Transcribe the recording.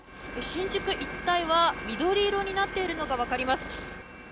新宿一帯は緑色になっているのが分かります。